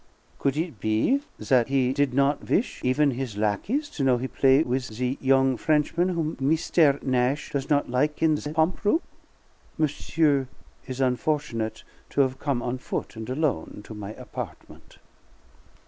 Could it be that he did not wish even his lackeys to know he play with the yo'ng Frenchman who Meestaire Nash does not like in the pomp room? Monsieur is unfortunate to have come on foot and alone to my apartment."